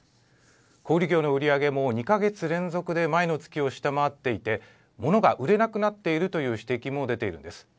小売業の売り上げも２か月連続で前の月を下回っていてものが売れなくなっているという指摘も出ているんです。